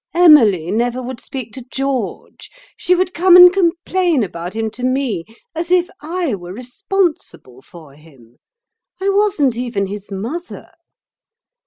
"Emily never would speak to George; she would come and complain about him to me, as if I were responsible for him: I wasn't even his mother.